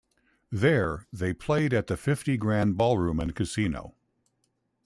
There, they played at the Fifty Grand Ballroom and Casino.